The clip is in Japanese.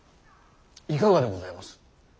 いかがでございます。